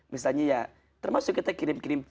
misalnya ya termasuk kita kirim kirim